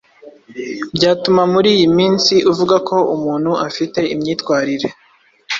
byatuma muri iyi minsi uvuga ko umuntu afite imyitwarire